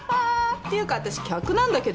っていうか私客なんだけど。